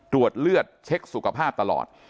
ตรวจเลือดเช็คสุขภาพตลอด